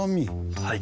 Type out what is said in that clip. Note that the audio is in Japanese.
はい。